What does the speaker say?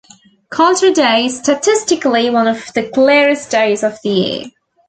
Culture Day is statistically one of the clearest days of the year.